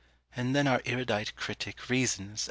And then our erudite critic reasons!